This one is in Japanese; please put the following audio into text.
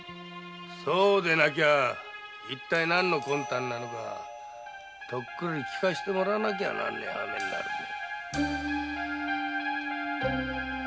そうでなきゃ一体何の魂胆なのかとっくり聞かしてもらわなきゃならねぇ羽目になるぜ。